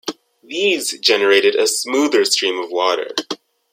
These generated a smoother stream of water.